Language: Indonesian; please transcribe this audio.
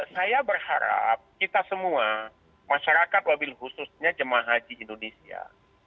saya berharap kita semua masyarakat wabil khususnya jemaah haji indonesia